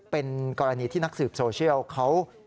เป็นกรณีที่นักสืบโซเชียลเขา